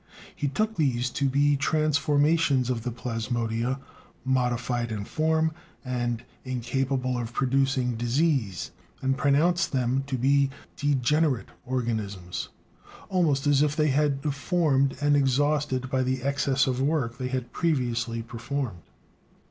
He took these to be transformations of the plasmodia, "modified in form" and "incapable of producing disease," and pronounced them to be "degenerate" organisms, almost as if they had been deformed and exhausted by the "excess of work" they had previously performed.